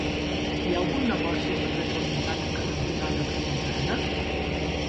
Hi ha algun negoci al carrer Tramuntana cantonada Tramuntana?